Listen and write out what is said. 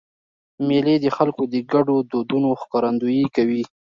مېلې د خلکو د ګډو دودونو ښکارندویي کوي.